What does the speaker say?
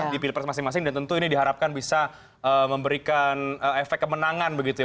di pilpres masing masing dan tentu ini diharapkan bisa memberikan efek kemenangan begitu ya